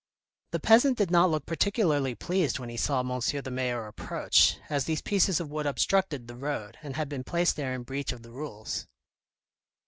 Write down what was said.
The peasant did not look particularly pleased when he saw M. the Mayor approach, as these pieces of wood obstructed the road, and had been placed there in breach of the rules.